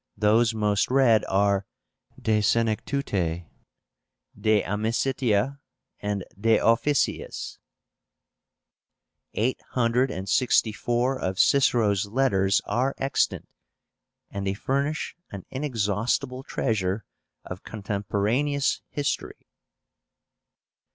Those most read are De Senectute, De Amicitia, and De Officiis. Eight hundred and sixty four of Cicero's letters are extant, and they furnish an inexhaustible treasure of contemporaneous history.